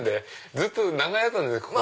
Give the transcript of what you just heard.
ずっと長屋だったんですここも。